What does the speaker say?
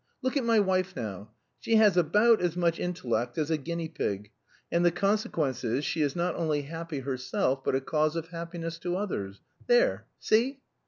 Look at my wife now. She has about as much intellect as a guinea pig, and the consequence is she is not only happy herself, but a cause of happiness to others. There see!"